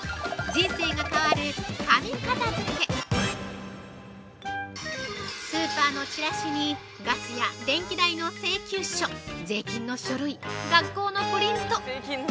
人生が変わる「紙片づけ」スーパーのチラシにガスや電気代の請求書、税金の書類、学校のプリント。